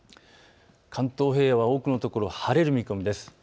関東平野は多くの所晴れる見込みです。